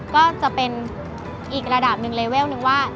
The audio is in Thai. ก็จะเป็นอีกระดับหนึ่งเลเวลหนึ่งว่า